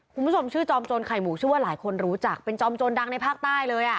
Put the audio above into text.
คุณผู้ชมชื่อจอมโจรไข่หมูชื่อว่าหลายคนรู้จักเป็นจอมโจรดังในภาคใต้เลยอ่ะ